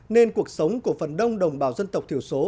nên cuộc sống của phần đông đồng bào dân tộc thiểu số